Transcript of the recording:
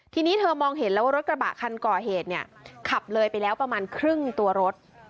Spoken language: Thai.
ทีนี้เธอมองเห็นแล้วว่ารถกระบะคันก่อเหตุเนี่ยขับเลยไปแล้วประมาณครึ่งตัวรถ